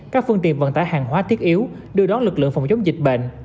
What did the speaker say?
các phương tiện vận tải hàng hóa thiết yếu đưa đón lực lượng phòng chống dịch bệnh